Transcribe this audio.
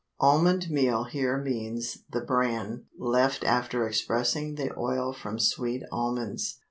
Almond meal here means the bran left after expressing the oil from sweet almonds.